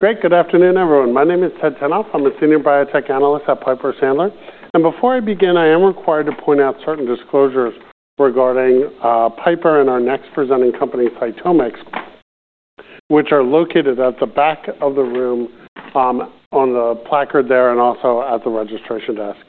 Great. Good afternoon, everyone. My name is Ted Tomas. I'm a senior biotech analyst at Piper Sandler. And before I begin, I am required to point out certain disclosures regarding Piper and our next presenting company, CytomX, which are located at the back of the room on the placard there and also at the registration desk.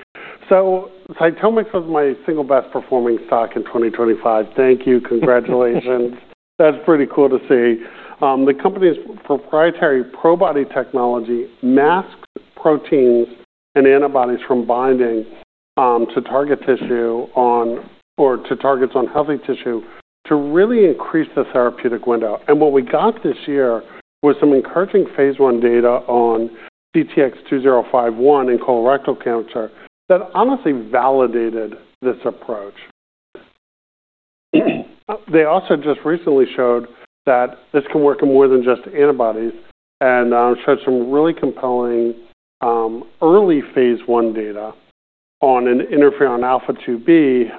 So CytomX was my single best-performing stock in 2025. Thank you. Congratulations. That's pretty cool to see. The company's proprietary Probody technology masks proteins and antibodies from binding to target tissue or to targets on healthy tissue to really increase the therapeutic window. And what we got this year was some encouraging phase one data on CX-2051 and colorectal cancer that honestly validated this approach. They also just recently showed that this can work in more than just antibodies and showed some really compelling early phase one data on an Interferon alpha-2b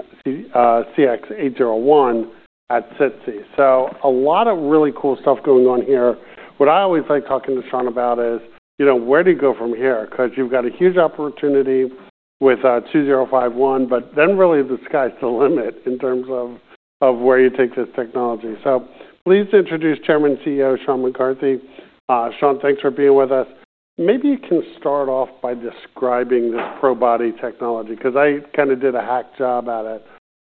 CX801 at SITC. So a lot of really cool stuff going on here. What I always like talking to Sean about is, where do you go from here? Because you've got a huge opportunity with 2051, but then really the sky's the limit in terms of where you take this technology. So please introduce Chairman and CEO Sean McCarthy. Sean, thanks for being with us. Maybe you can start off by describing this Probody technology because I kind of did a hack job at it.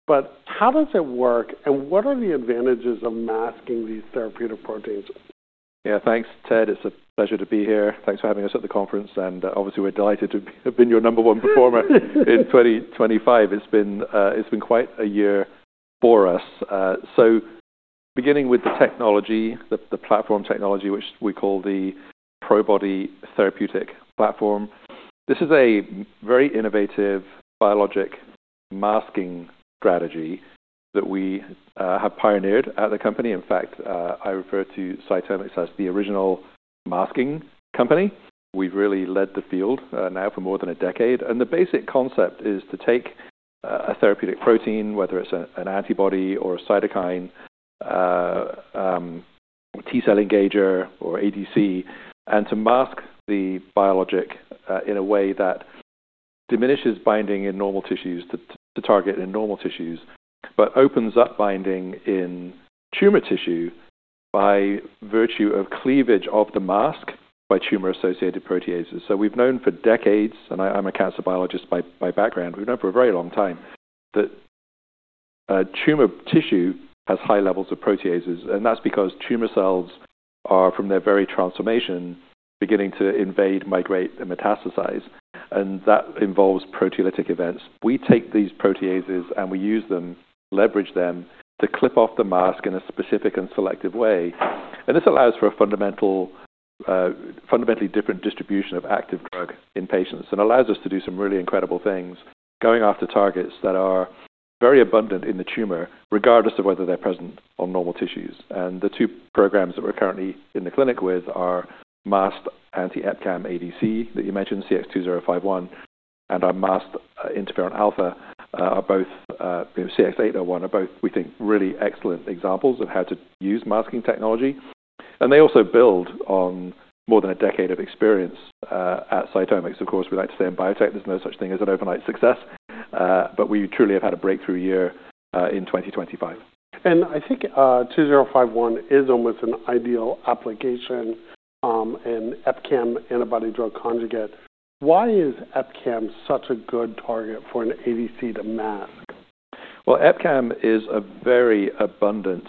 But how does it work and what are the advantages of masking these therapeutic proteins? Yeah, thanks, Ted. It's a pleasure to be here. Thanks for having us at the conference. And obviously, we're delighted to have been your number one performer in 2025. It's been quite a year for us. So beginning with the technology, the platform technology, which we call the Probody therapeutic platform. This is a very innovative biologic masking strategy that we have pioneered at the company. In fact, I refer to CytomX as the original masking company. We've really led the field now for more than a decade. And the basic concept is to take a therapeutic protein, whether it's an antibody or a cytokine, T cell engager or ADC, and to mask the biologic in a way that diminishes binding in normal tissues to target in normal tissues, but opens up binding in tumor tissue by virtue of cleavage of the mask by tumor-associated proteases. So we've known for decades, and I'm a cancer biologist by background. We've known for a very long time that tumor tissue has high levels of proteases. And that's because tumor cells are, from their very transformation, beginning to invade, migrate, and metastasize. And that involves proteolytic events. We take these proteases and we use them, leverage them to clip off the mask in a specific and selective way. And this allows for a fundamentally different distribution of active drug in patients and allows us to do some really incredible things, going after targets that are very abundant in the tumor, regardless of whether they're present on normal tissues. And the two programs that we're currently in the clinic with are masked anti-EpCAM ADC that you mentioned, CX2051, and our masked interferon alpha are both CX801, we think, really excellent examples of how to use masking technology. And they also build on more than a decade of experience at CytomX. Of course, we like to say in biotech, there's no such thing as an overnight success, but we truly have had a breakthrough year in 2025. I think 2051 is almost an ideal application in EpCAM antibody-drug conjugate. Why is EpCAM such a good target for an ADC to mask? EpCAM is a very abundant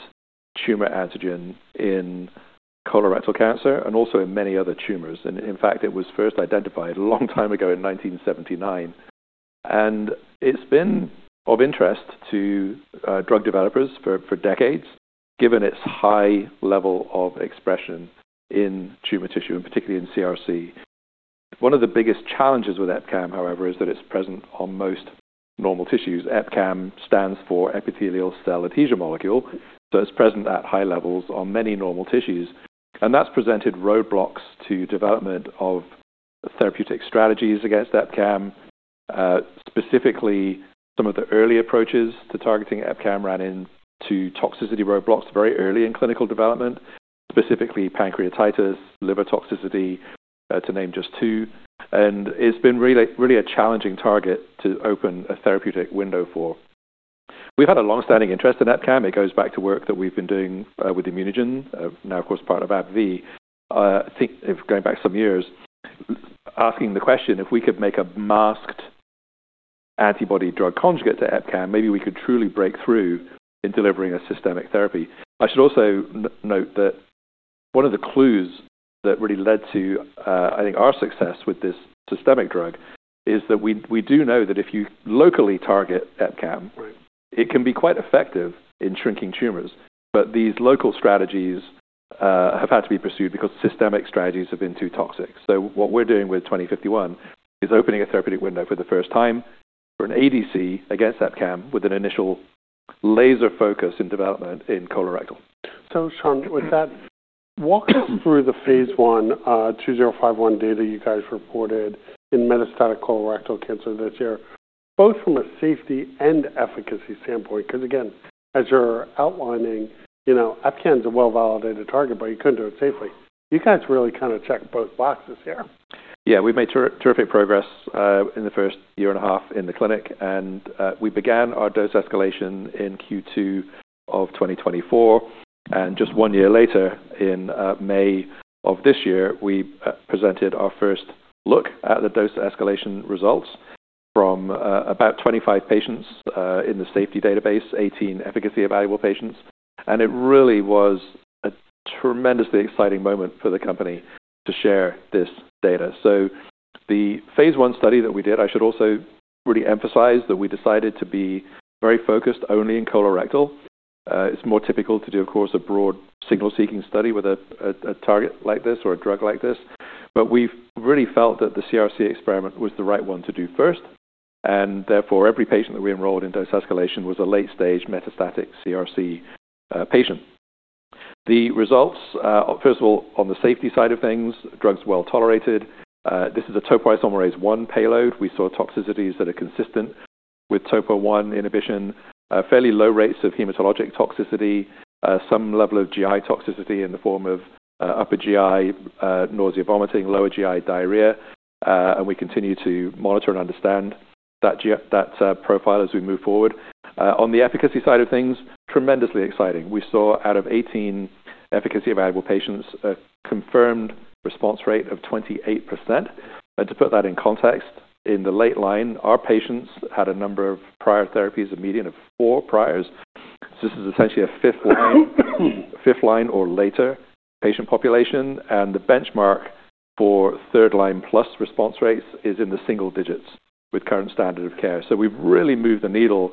tumor antigen in colorectal cancer and also in many other tumors. In fact, it was first identified a long time ago in 1979. It's been of interest to drug developers for decades, given its high level of expression in tumor tissue, and particularly in CRC. One of the biggest challenges with EpCAM, however, is that it's present on most normal tissues. EpCAM stands for epithelial cell adhesion molecule. It's present at high levels on many normal tissues. That's presented roadblocks to development of therapeutic strategies against EpCAM. Specifically, some of the early approaches to targeting EpCAM ran into toxicity roadblocks very early in clinical development, specifically pancreatitis, liver toxicity, to name just two. It's been really a challenging target to open a therapeutic window for. We've had a long-standing interest in EpCAM. It goes back to work that we've been doing with ImmunoGen, now of course part of AbbVie. I think going back some years, asking the question if we could make a masked antibody drug conjugate to EpCAM, maybe we could truly break through in delivering a systemic therapy. I should also note that one of the clues that really led to, I think, our success with this systemic drug is that we do know that if you locally target EpCAM, it can be quite effective in shrinking tumors. But these local strategies have had to be pursued because systemic strategies have been too toxic. So what we're doing with 2051 is opening a therapeutic window for the first time for an ADC against EpCAM with an initial laser focus in development in colorectal. Sean, with that, walk us through the phase 1 CX-2051 data you guys reported in metastatic colorectal cancer this year, both from a safety and efficacy standpoint. Because again, as you're outlining, EpCAM is a well-validated target, but you couldn't do it safely. You guys really kind of checked both boxes here. Yeah, we've made terrific progress in the first year and a half in the clinic. And we began our dose escalation in Q2 of 2024. And just one year later, in May of this year, we presented our first look at the dose escalation results from about 25 patients in the safety database, 18 efficacy evaluable patients. And it really was a tremendously exciting moment for the company to share this data. So the phase one study that we did, I should also really emphasize that we decided to be very focused only in colorectal. It's more typical to do, of course, a broad signal-seeking study with a target like this or a drug like this. But we've really felt that the CRC experiment was the right one to do first. And therefore, every patient that we enrolled in dose escalation was a late-stage metastatic CRC patient. The results, first of all, on the safety side of things, drugs well tolerated. This is a Topoisomerase I payload. We saw toxicities that are consistent with topo I inhibition, fairly low rates of hematologic toxicity, some level of GI toxicity in the form of upper GI nausea, vomiting, lower GI diarrhea. And we continue to monitor and understand that profile as we move forward. On the efficacy side of things, tremendously exciting. We saw out of 18 efficacy evaluable patients, a confirmed response rate of 28%. And to put that in context, in the late line, our patients had a number of prior therapies of median of four priors. So this is essentially a fifth line or later patient population. And the benchmark for third line plus response rates is in the single digits with current standard of care. So we've really moved the needle,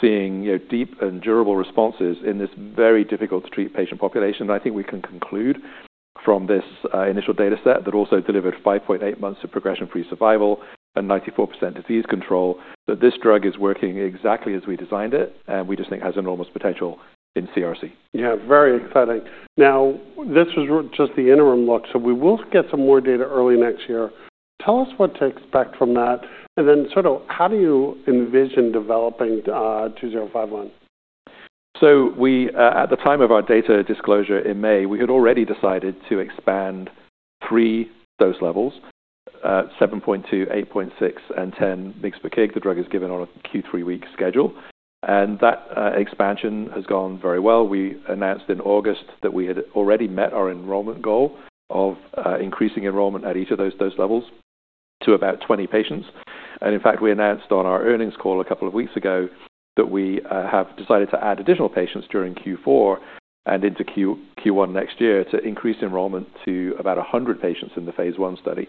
seeing deep and durable responses in this very difficult to treat patient population. And I think we can conclude from this initial dataset that also delivered 5.8 months of progression-free survival and 94% disease control, that this drug is working exactly as we designed it, and we just think has enormous potential in CRC. Yeah, very exciting. Now, this was just the interim look. So we will get some more data early next year. Tell us what to expect from that. And then sort of how do you envision developing CX-2051? At the time of our data disclosure in May, we had already decided to expand three dose levels, 7.2, 8.6, and 10 mg per kg. The drug is given on a Q3 week schedule. That expansion has gone very well. We announced in August that we had already met our enrollment goal of increasing enrollment at each of those dose levels to about 20 patients. And in fact, we announced on our earnings call a couple of weeks ago that we have decided to add additional patients during Q4 and into Q1 next year to increase enrollment to about 100 patients in the phase one study.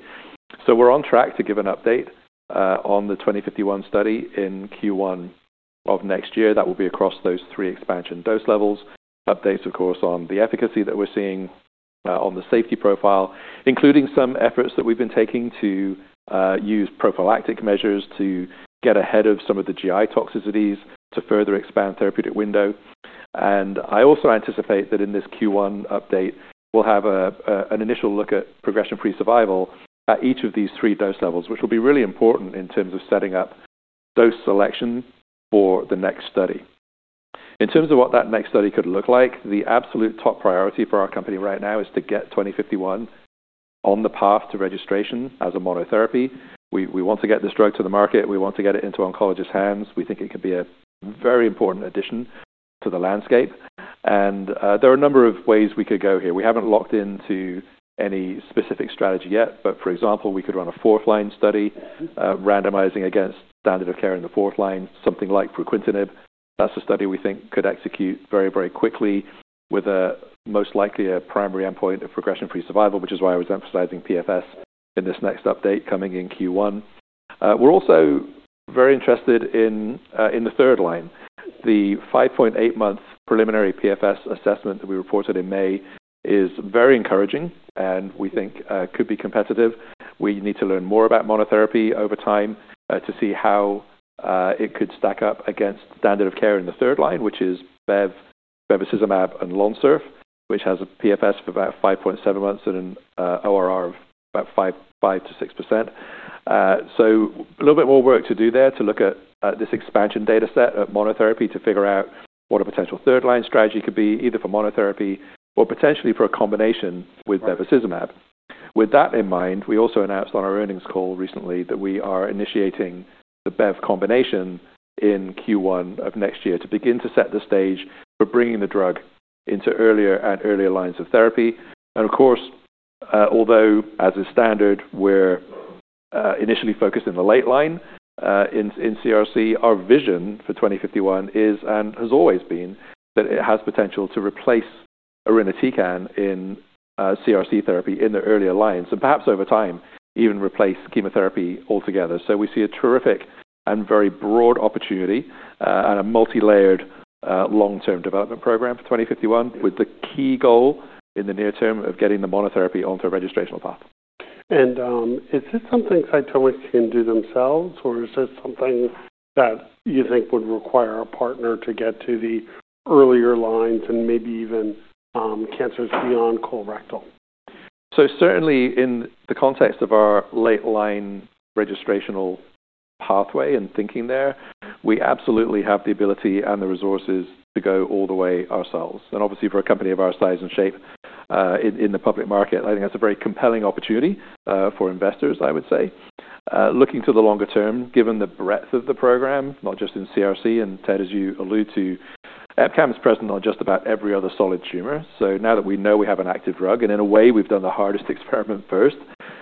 We're on track to give an update on the 2051 study in Q1 of next year. That will be across those three expansion dose levels. Updates, of course, on the efficacy that we're seeing on the safety profile, including some efforts that we've been taking to use prophylactic measures to get ahead of some of the GI toxicities to further expand therapeutic window. I also anticipate that in this Q1 update, we'll have an initial look at progression-free survival at each of these three dose levels, which will be really important in terms of setting up dose selection for the next study. In terms of what that next study could look like, the absolute top priority for our company right now is to get 2051 on the path to registration as a monotherapy. We want to get this drug to the market. We want to get it into oncologists' hands. We think it could be a very important addition to the landscape. There are a number of ways we could go here. We haven't locked into any specific strategy yet, but for example, we could run a fourth line study randomizing against standard of care in the fourth line, something like fruquintinib. That's a study we think could execute very, very quickly with most likely a primary endpoint of progression-free survival, which is why I was emphasizing PFS in this next update coming in Q1. We're also very interested in the third line. The 5.8-month preliminary PFS assessment that we reported in May is very encouraging and we think could be competitive. We need to learn more about monotherapy over time to see how it could stack up against standard of care in the third line, which is Bev, bevacizumab, and Lonsurf, which has a PFS of about 5.7 months and an ORR of about 5%-6%. So a little bit more work to do there to look at this expansion dataset at monotherapy to figure out what a potential third line strategy could be, either for monotherapy or potentially for a combination with bevacizumab. With that in mind, we also announced on our earnings call recently that we are initiating the Bev combination in Q1 of next year to begin to set the stage for bringing the drug into earlier and earlier lines of therapy, and of course, although as is standard, we're initially focused in the late line in CRC, our vision for 2051 is and has always been that it has potential to replace irinotecan in CRC therapy in the earlier lines and perhaps over time even replace chemotherapy altogether. So we see a terrific and very broad opportunity and a multi-layered long-term development program for 2051 with the key goal in the near term of getting the monotherapy onto a registrational path. Is this something CytomX can do themselves, or is this something that you think would require a partner to get to the earlier lines and maybe even cancers beyond colorectal? So certainly in the context of our late line registrational pathway and thinking there, we absolutely have the ability and the resources to go all the way ourselves. And obviously for a company of our size and shape in the public market, I think that's a very compelling opportunity for investors, I would say. Looking to the longer term, given the breadth of the program, not just in CRC, and Ted, as you allude to, EpCAM is present on just about every other solid tumor. So now that we know we have an active drug and in a way we've done the hardest experiment first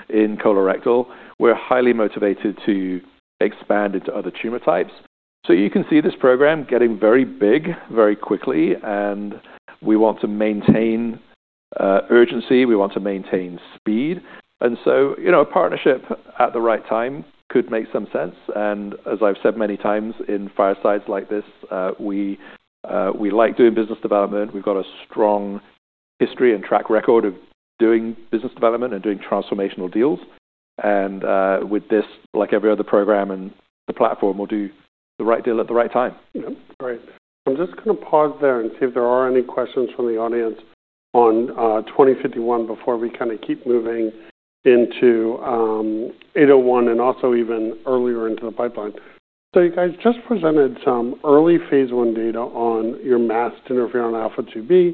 in colorectal, we're highly motivated to expand into other tumor types. So you can see this program getting very big, very quickly, and we want to maintain urgency. We want to maintain speed. And so a partnership at the right time could make some sense. As I've said many times in firesides like this, we like doing business development. We've got a strong history and track record of doing business development and doing transformational deals. With this, like every other program and the platform, we'll do the right deal at the right time. Great. I'm just going to pause there and see if there are any questions from the audience on 2051 before we kind of keep moving into 801 and also even earlier into the pipeline. So you guys just presented some early phase one data on your masked interferon alpha-2b,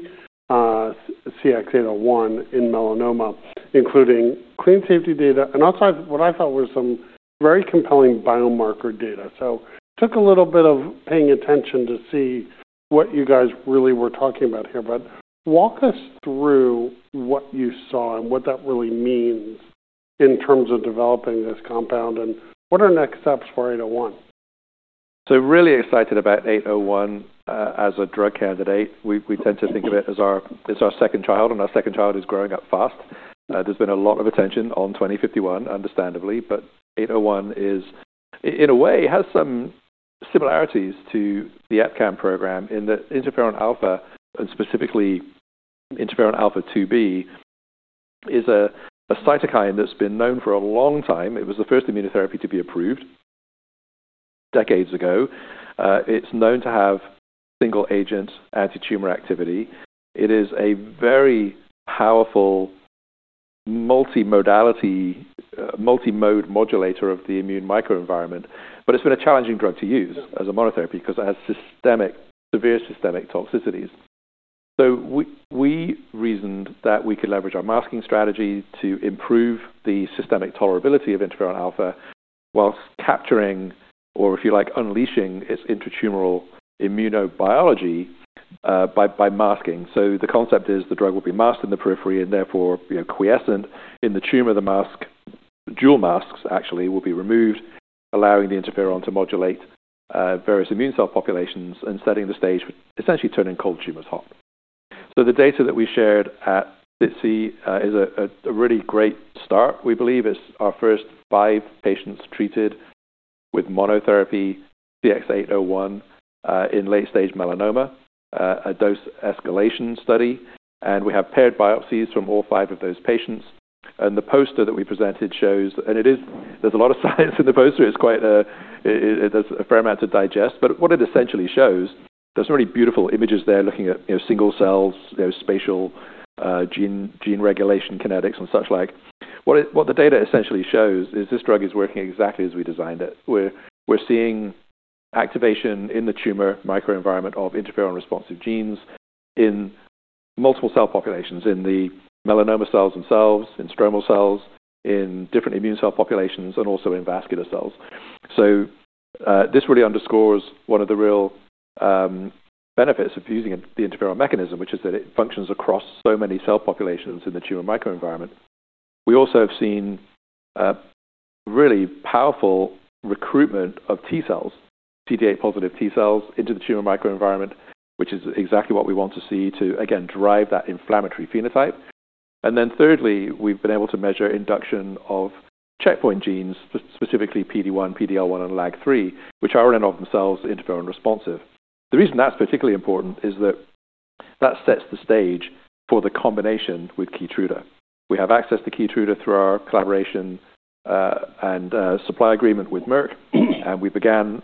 CX801 in melanoma, including clean safety data. And also what I thought was some very compelling biomarker data. So took a little bit of paying attention to see what you guys really were talking about here. But walk us through what you saw and what that really means in terms of developing this compound and what are next steps for 801? So really excited about 801 as a drug candidate. We tend to think of it as our second child, and our second child is growing up fast. There's been a lot of attention on 2051, understandably. But 801 is, in a way, has some similarities to the EpCAM program in that interferon alpha, and specifically interferon alpha-2b, is a cytokine that's been known for a long time. It was the first immunotherapy to be approved decades ago. It's known to have single-agent anti-tumor activity. It is a very powerful multimodality multimode modulator of the immune microenvironment. But it's been a challenging drug to use as a monotherapy because it has severe systemic toxicities. So we reasoned that we could leverage our masking strategy to improve the systemic tolerability of interferon alpha whilst capturing, or if you like, unleashing its intra-tumoral immunobiology by masking. The concept is the drug will be masked in the periphery and therefore quiescent in the tumor. The mask, dual masks actually, will be removed, allowing the interferon to modulate various immune cell populations and setting the stage for essentially turning cold tumors hot. The data that we shared at SITC is a really great start. We believe it's our first five patients treated with monotherapy CX801 in late-stage melanoma, a dose escalation study. We have paired biopsies from all five of those patients. The poster that we presented shows, and there's a lot of science in the poster. It's quite a fair amount to digest. But what it essentially shows, there's some really beautiful images there looking at single cells, spatial gene regulation kinetics and such like. What the data essentially shows is this drug is working exactly as we designed it. We're seeing activation in the tumor microenvironment of interferon responsive genes in multiple cell populations, in the melanoma cells themselves, in stromal cells, in different immune cell populations, and also in vascular cells. So this really underscores one of the real benefits of using the interferon mechanism, which is that it functions across so many cell populations in the tumor microenvironment. We also have seen really powerful recruitment of T cells, CD8 positive T cells into the tumor microenvironment, which is exactly what we want to see to, again, drive that inflammatory phenotype. And then thirdly, we've been able to measure induction of checkpoint genes, specifically PD-1, PD-L1, and LAG-3, which are in and of themselves interferon responsive. The reason that's particularly important is that that sets the stage for the combination with Keytruda. We have access to Keytruda through our collaboration and supply agreement with Merck. And we began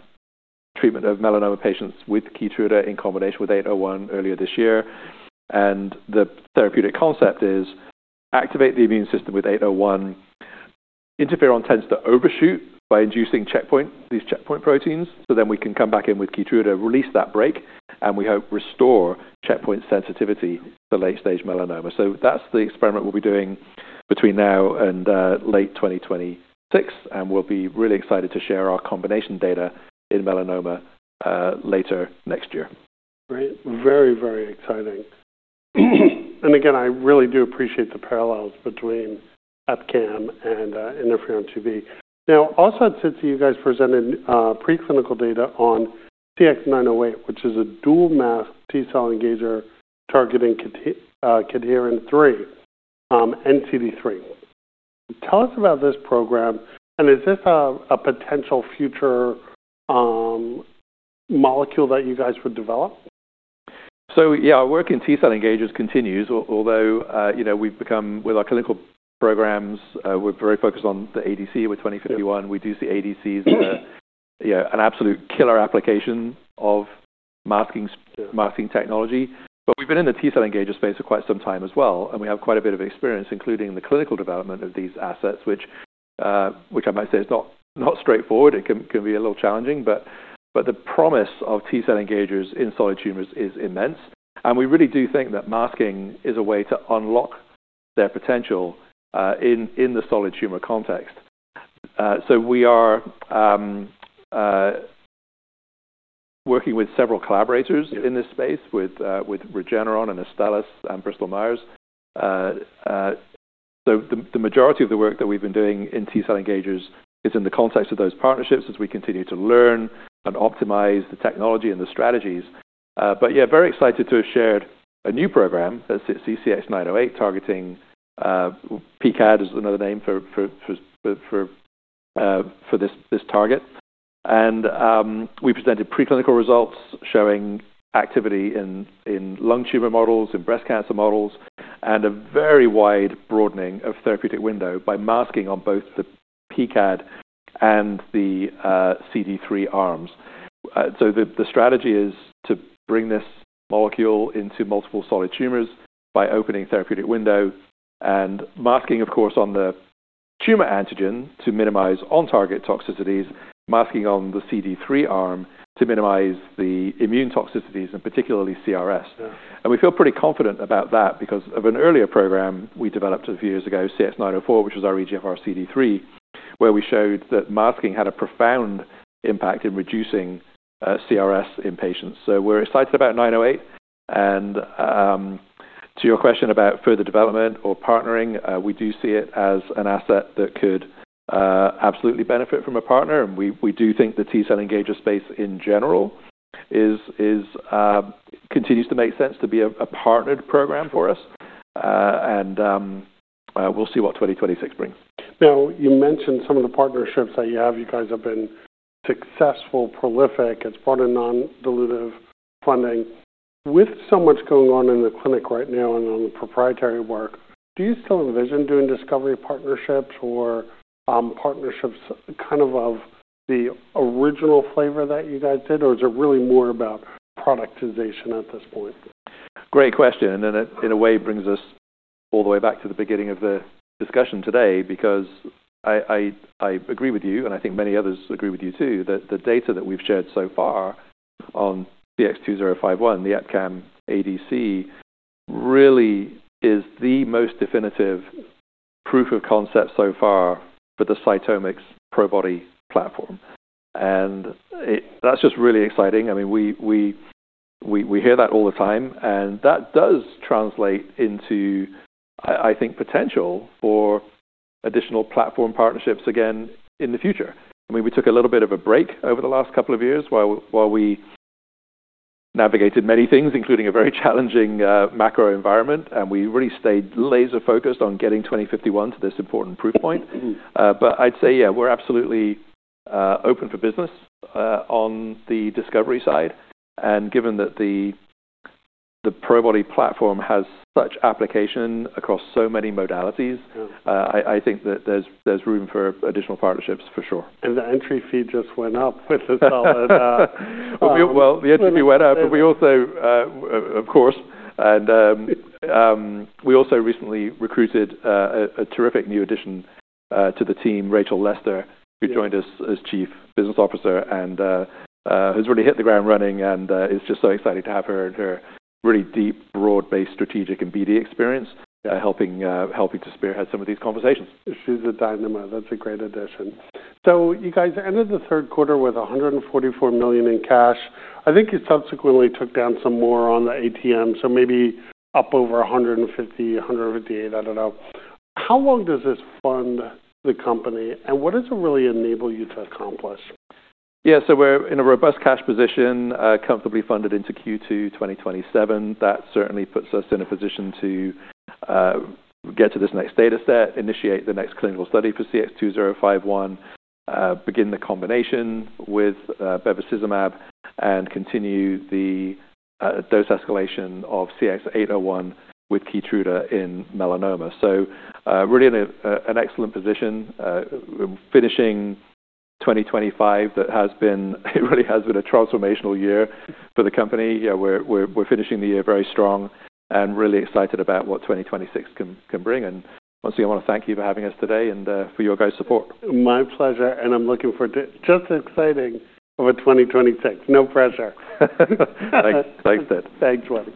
treatment of melanoma patients with Keytruda in combination with 801 earlier this year. And the therapeutic concept is activate the immune system with 801. Interferon tends to overshoot by inducing these checkpoint proteins. So then we can come back in with Keytruda, release that brake, and we hope restore checkpoint sensitivity to late-stage melanoma. So that's the experiment we'll be doing between now and late 2026. And we'll be really excited to share our combination data in melanoma later next year. Great. Very, very exciting. And again, I really do appreciate the parallels between EpCAM and interferon 2B. Now, also at SITC, you guys presented preclinical data on CX908, which is a dual masked T cell engager targeting P-cadherin and CD3. Tell us about this program. And is this a potential future molecule that you guys would develop? So yeah, our work in T-cell engagers continues, although we've become, with our clinical programs, we're very focused on the ADC with 2051. We do see ADCs as an absolute killer application of masking technology. But we've been in the T-cell engager space for quite some time as well. And we have quite a bit of experience, including the clinical development of these assets, which I might say is not straightforward. It can be a little challenging. But the promise of T-cell engagers in solid tumors is immense. And we really do think that masking is a way to unlock their potential in the solid tumor context. So we are working with several collaborators in this space with Regeneron and Astellas and Bristol Myers. So the majority of the work that we've been doing in T cell engagers is in the context of those partnerships as we continue to learn and optimize the technology and the strategies. But yeah, very excited to have shared a new program that's CX908 targeting P-cadherin. P-cadherin is another name for this target. And we presented preclinical results showing activity in lung tumor models, in breast cancer models, and a very wide broadening of therapeutic window by masking on both the P-cadherin and the CD3 arms. So the strategy is to bring this molecule into multiple solid tumors by opening therapeutic window and masking, of course, on the tumor antigen to minimize on-target toxicities, masking on the CD3 arm to minimize the immune toxicities and particularly CRS. We feel pretty confident about that because of an earlier program we developed a few years ago, CX904, which was our EGFR CD3, where we showed that masking had a profound impact in reducing CRS in patients. We're excited about 908. To your question about further development or partnering, we do see it as an asset that could absolutely benefit from a partner. We do think the T cell engager space in general continues to make sense to be a partnered program for us. We'll see what 2026 brings. Now, you mentioned some of the partnerships that you have. You guys have been successful, prolific. It's brought in non-dilutive funding. With so much going on in the clinic right now and on the proprietary work, do you still envision doing discovery partnerships or partnerships kind of the original flavor that you guys did? Or is it really more about productization at this point? Great question. And in a way, it brings us all the way back to the beginning of the discussion today because I agree with you, and I think many others agree with you too, that the data that we've shared so far on CX2051, the EpCAM ADC, really is the most definitive proof of concept so far for the CytomX Probody platform. And that's just really exciting. I mean, we hear that all the time. And that does translate into, I think, potential for additional platform partnerships again in the future. I mean, we took a little bit of a break over the last couple of years while we navigated many things, including a very challenging macro environment. And we really stayed laser-focused on getting 2051 to this important proof point. But I'd say, yeah, we're absolutely open for business on the discovery side. Given that the Probody platform has such application across so many modalities, I think that there's room for additional partnerships for sure. And the entry fee just went up with this all. The entry fee went up, but we also, of course, recently recruited a terrific new addition to the team, Rachel Lester, who joined us as Chief Business Officer and has really hit the ground running. It's just so exciting to have her and her really deep, broad-based strategic and BD experience helping to spearhead some of these conversations. She's a dynamo. That's a great addition. So you guys ended the third quarter with $144 million in cash. I think you subsequently took down some more on the ATM, so maybe up over $150 million-$158 million, I don't know. How long does this fund the company? And what does it really enable you to accomplish? Yeah, so we're in a robust cash position, comfortably funded into Q2 2027. That certainly puts us in a position to get to this next data set, initiate the next clinical study for CX2051, begin the combination with bevacizumab, and continue the dose escalation of CX801 with Keytruda in melanoma. So really in an excellent position. Finishing 2025, that has been, it really has been a transformational year for the company. We're finishing the year very strong and really excited about what 2026 can bring. And once again, I want to thank you for having us today and for your guys' support. My pleasure. And I'm looking forward to an exciting 2026. No pressure. Thanks, Ted. Thanks, buddy.